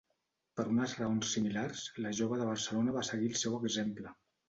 Per unes raons similars la Jove de Barcelona va seguir el seu exemple.